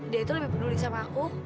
dia itu lebih peduli sama aku